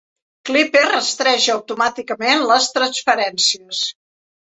Clipper rastreja automàticament les transferències.